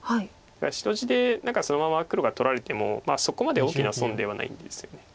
だから白地でそのまま黒が取られてもそこまで大きな損ではないんですよね。